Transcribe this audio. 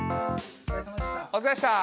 おつかれさまでした。